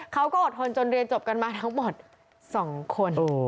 เขาก็อดทนจนเรียนจบกันมาทั้งหมด๒คน